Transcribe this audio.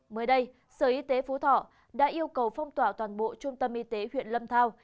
mới đây sở y tế phú thọ đã yêu cầu phong tỏa toàn bộ trung tâm y tế huyện lâm thao